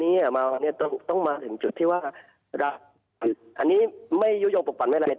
คือนักวันนี้ต้องมาถึงจุดที่ว่าอันนี้ไม่ยุโยบกฝั่นไว้เลย